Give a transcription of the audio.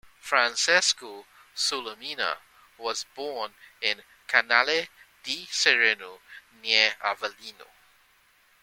Francesco Solimena was born in Canale di Serino, near Avellino.